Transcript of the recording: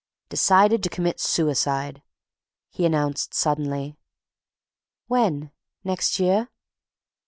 "Decided to commit suicide," he announced suddenly. "When? Next year?"